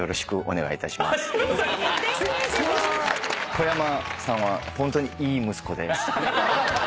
小山さんはホントにいい息子です。